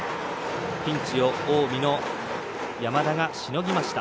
ピンチを近江の山田がしのぎました。